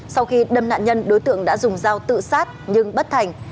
sau khi đâm nạn nhân đối tượng đã dùng dao tự sát nhưng bất thành